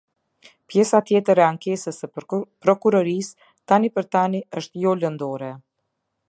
Pjesa tjetër e ankesës së Prokurorisë tani për tani është jo lëndore.